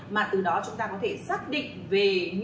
mà từ đó chúng ta sẽ có thể xử lý những người nào như thế này